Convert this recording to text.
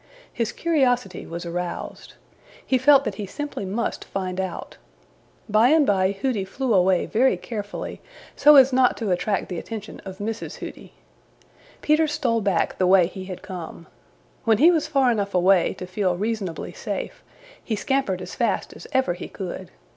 His curiosity was aroused. He felt that he simply must find out. By and by Hooty flew away very carefully, so as not to attract the attention of Mrs. Hooty. Peter stole back the way he had come. When he was far enough away to feel reasonably safe, he scampered as fast as ever he could.